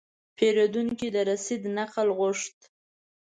پیرودونکی د رسید نقل غوښت.